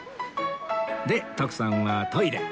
で徳さんはトイレ